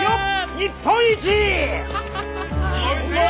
日本一！